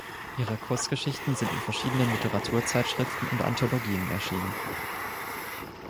Ihre Kurzgeschichten sind in verschiedenen Literaturzeitschriften und Anthologien erschienen.